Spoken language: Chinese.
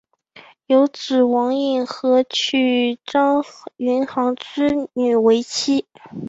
有子王尹和娶张云航之女为妻。